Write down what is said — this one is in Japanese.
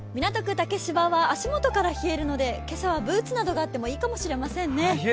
竹芝は足元から冷えるので今朝はブーツなどがあってもいいかもしれませんね。